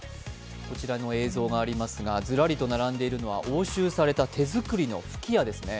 こちらに映像がありますがずらりと並んでいるのは押収された手作りの吹き矢ですね。